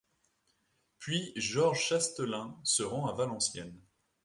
Puis, Georges Chastelain se rend à Valenciennes.